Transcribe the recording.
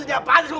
ini yang bagus